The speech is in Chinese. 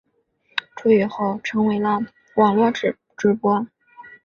出狱后成为了网络主播。